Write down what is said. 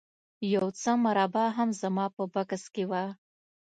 یو څه مربا هم زما په بکس کې وه